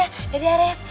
yaudah deh adek